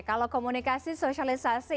kalau komunikasi sosialisasi